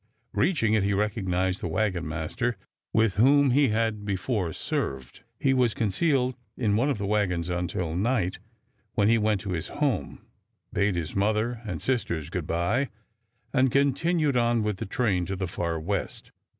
Reaching it he recognized the wagon master with whom he had before served. He was concealed in one of the wagons until night, when he went to his home, bade his mother and sisters good by, and continued on with the train to the far West.